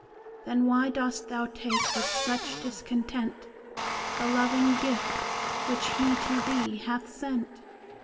Then why dost thou take with such discontent The loving gift which he to thee hath sent?